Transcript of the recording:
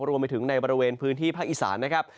รวมไปถึงในบริเวณพื้นที่ภาคอีสานนะครับ